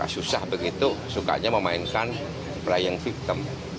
susah begitu sukanya memainkan praying victim